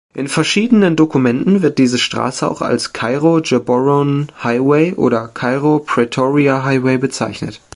In verschiedenen Dokumenten wird diese Straße auch als "Kairo-Gaborone-Highway" oder "Kairo-Pretoria-Highway" bezeichnet.